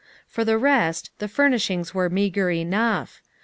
For the rest, the furnishings were meager enough.